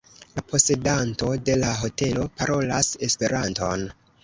La posedanto de la hotelo parolas Esperanton.